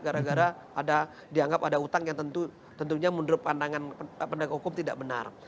gara gara dianggap ada utang yang tentunya menurut pandangan pendagang hukum tidak benar